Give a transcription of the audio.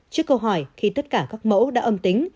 trước câu hỏi khi tất cả các mẫu đã âm tính